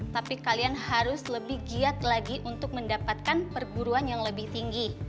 tapi kalian harus lebih giat lagi untuk mendapatkan perguruan yang lebih tinggi